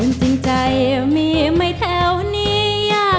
ทั้งในเรื่องของการทำงานเคยทำนานแล้วเกิดปัญหาน้อย